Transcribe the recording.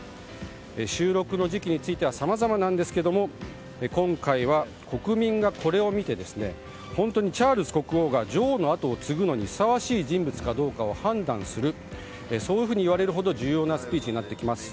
収録の時期についてはさまざまなんですが今回は国民がこれを見て本当にチャールズ国王が女王の跡を継ぐのにふさわしい人物かどうかを判断するといわれるほど重要なスピーチになります。